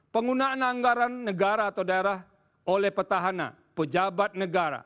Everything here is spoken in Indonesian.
penggunaan anggaran negara atau daerah oleh petahana pejabat negara